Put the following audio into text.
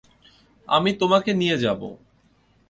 আমি তোমাকে নিয়ে যাব।